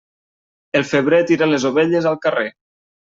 El febrer tira les ovelles al carrer.